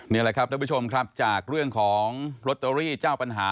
นี่แหละครับท่านผู้ชมครับจากเรื่องของลอตเตอรี่เจ้าปัญหา